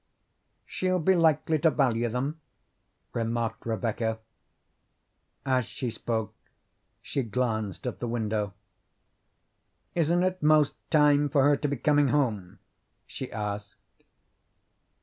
"She'll be likely to value them," remarked Rebecca. As she spoke she glanced at the window. "Isn't it most time for her to be coming home?" she asked.